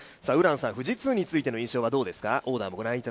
富士通についての印象はどうですか。